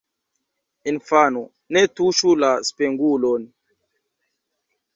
Infano, ne tuŝu la spegulon!